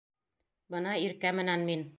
Бына Иркә менән мин.